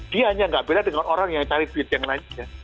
dia hanya nggak beda dengan orang yang cari duit yang lainnya